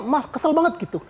mas kesel banget gitu